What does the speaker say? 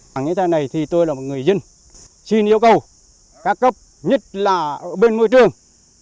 bãi rác thải này thì tôi là một người dân xin yêu cầu các cấp nhất là bên môi trường